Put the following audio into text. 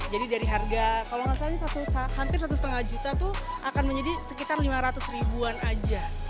jadi dari harga kalau nggak salah ini hampir satu lima juta tuh akan menjadi sekitar lima ratus ribuan aja